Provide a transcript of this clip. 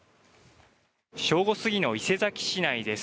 正午過ぎの伊勢崎市内です。